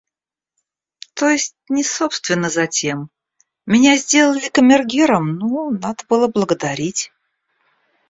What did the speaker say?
То есть не собственно затем... Меня сделали камергером, ну, надо было благодарить.